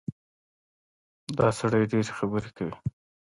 دا سړی ډېرې خبرې کوي.